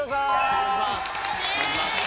お願いします。